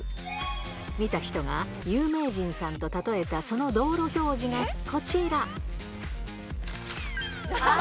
見た人が、有名人さんと例えたその道路標示がこちら。